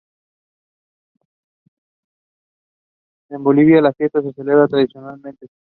En Bolivia, la fiesta se celebra tradicionalmente en el valle central de Tarija.